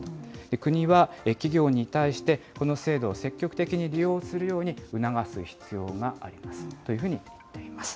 国は企業に対して、この制度を積極的に利用するように促す必要がありますというふうに言っています。